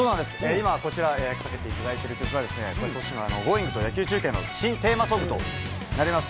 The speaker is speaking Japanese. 今、こちらかけていただいている曲は、ことしのＧｏｉｎｇ！と野球中継の新テーマソングとなります。